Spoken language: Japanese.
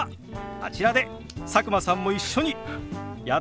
あちらで佐久間さんも一緒にやってみましょう！